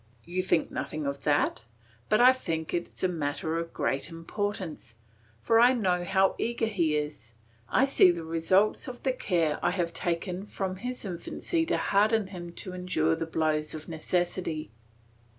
You think nothing of that; but I think it a matter of great importance, for I know how eager he is; I see the results of the care I have taken from his infancy to harden him to endure the blows of necessity.